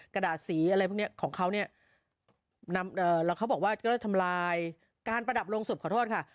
กระดาษสีอะไรพวกนี้ของเขาเนี่ยแล้วเขาบอกว่าก็ได้ทำลายการประดับลงศพขอโทษค่ะ